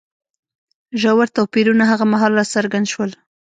ژور توپیرونه هغه مهال راڅرګند شول.